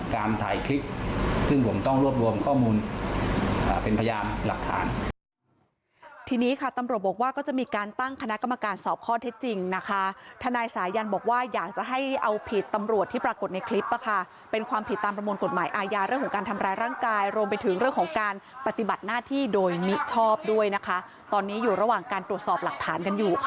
ถ่ายคลิปซึ่งผมต้องรวบรวมข้อมูลเป็นพยานหลักฐาน